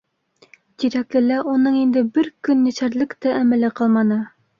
Тирәклелә уның инде бер көн йәшәрлек тә әмәле ҡалманы.